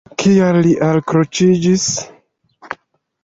Kial li alkroĉiĝis?